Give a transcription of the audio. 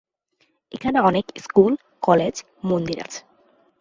এখানে অনেক school, college, মন্দির আছে।